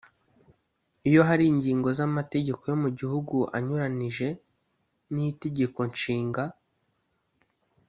Iyo hari ingingo z’amategeko yo mu gihugu anyuranyije n’Itegeko Nshinga